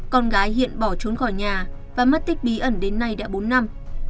con gái hiện bỏ trốn khỏi nhà và mất tích bí ẩn đến nay đã bốn năm